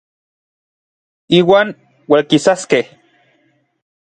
Iuan ualkisaskej.